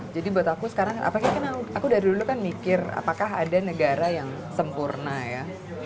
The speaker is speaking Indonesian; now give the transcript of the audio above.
jadi buat aku sekarang aku dari dulu kan mikir apakah ada negara yang sempurna ya